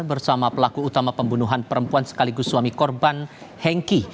bersama pelaku utama pembunuhan perempuan sekaligus suami korban hengki